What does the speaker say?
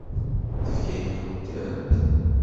Tefka-yakent-tent?